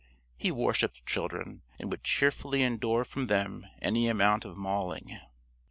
He worshipped children, and would cheerfully endure from them any amount of mauling.